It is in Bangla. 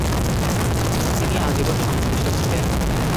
তিনি আজীবন সংশ্লিষ্ট ছিলেন।